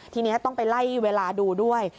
ทีนี้ต้องไปไล่เวลาดูด้วย